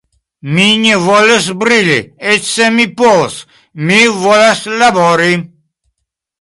Mi ne volus brili, eĉ se mi povus; mi volas labori.